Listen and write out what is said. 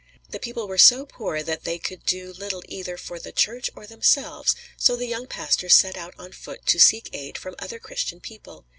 The people were so poor that they could do little either for their church or themselves, so the young pastor set out on foot to seek aid from other Christian people.